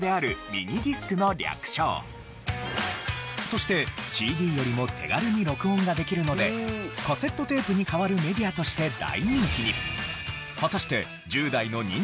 そしてＣＤよりも手軽に録音ができるのでカセットテープに変わるメディアとして大人気に。